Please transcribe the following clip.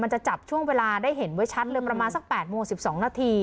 จะจับช่วงเวลาได้เห็นไว้ชัดเลยประมาณสัก๘โมง๑๒นาที